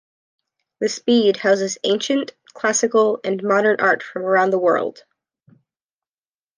The Speed houses ancient, classical, and modern art from around the world.